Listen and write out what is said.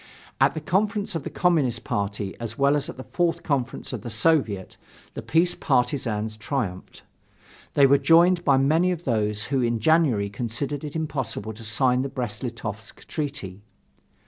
At the conference of the Communist party as well as at the Fourth Conference of the Soviet, the peace partisans triumphed. They were joined by many of those who in January considered it impossible to sign the Brest Litovsk treaty.